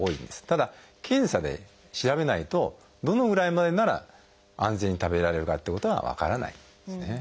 ただ検査で調べないとどのぐらいまでなら安全に食べられるかってことは分からないんですね。